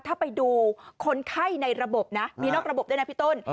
ถ้าไปดูคนไข้ในระบบนะมีนอกระบบด้วยนะพี่ต้น